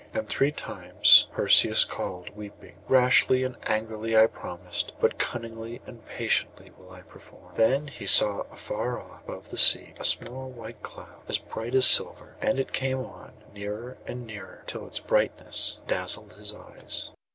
And three times Perseus called weeping, 'Rashly and angrily I promised; but cunningly and patiently will I perform.' Then he saw afar off above the sea a small white cloud, as bright as silver. And it came on, nearer and nearer, till its brightness dazzled his eyes.